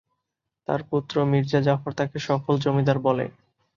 তার পুত্র মির্জা জাফর তাকে সফল "জমিদার" করে।